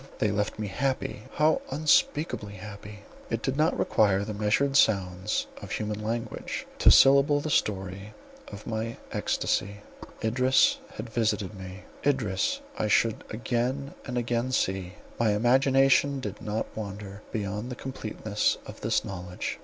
They left me happy—how unspeakably happy. It did not require the measured sounds of human language to syllable the story of my extasy. Idris had visited me; Idris I should again and again see—my imagination did not wander beyond the completeness of this knowledge.